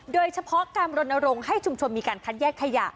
โดยเฉพาะการรณรงค์ให้ชุมชนมีการคัดแยกขยะ